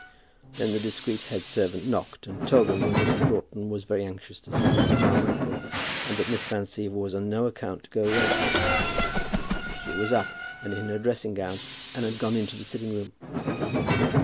Then the discreet head servant knocked and told them that Mrs. Broughton was very anxious to see Mr. Dalrymple, but that Miss Van Siever was on no account to go away. She was up, and in her dressing gown, and had gone into the sitting room.